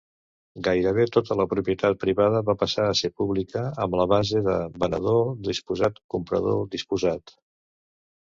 Gairebé tota la propietat privada va passar a ser pública, amb la base de "venedor disposat, comprador disposat".